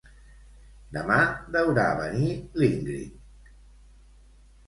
Demà deurà venir l'Íngrid